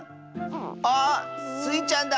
あっスイちゃんだ。